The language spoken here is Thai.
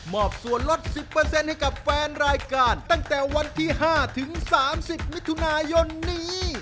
อบส่วนลด๑๐ให้กับแฟนรายการตั้งแต่วันที่๕ถึง๓๐มิถุนายนนี้